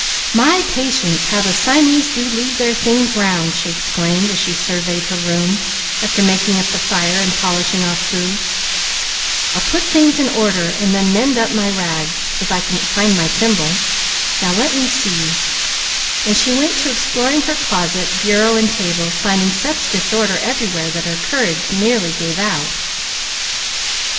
"My patience! how the Siamese do leave their things round," she exclaimed, as she surveyed her room after making up the fire and polishing off Boo. "I'll put things in order, and then mend up my rags, if I can find my thimble. Now, let me see;" and she went to exploring her closet, bureau, and table, finding such disorder everywhere that her courage nearly gave out.